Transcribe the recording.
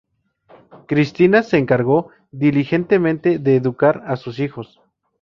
Cristina se encargó diligentemente de educar a sus hijos.